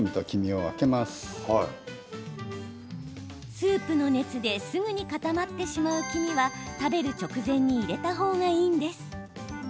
スープの熱ですぐに固まってしまう黄身は食べる直前に入れた方がいいんです。